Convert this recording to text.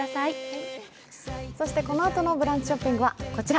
そしてこのあとの「ブランチショッピング」はこちら。